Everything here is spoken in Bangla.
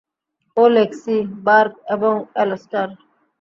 ও লেক্সি, বার্গ এবং অ্যালস্টার।